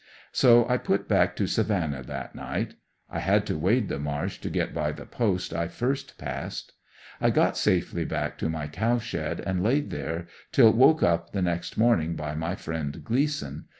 So I put back to Savannah that night. I had to wade the marsh to get by the post I first passed. I got safely back to my cowshed and laid there till woke up the next morning by my friend Gleason.